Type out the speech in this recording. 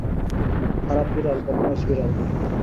খারাপ বিড়াল, বদমাস বিড়াল।